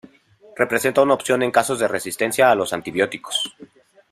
Representa una opción en casos de resistencia a los antibióticos.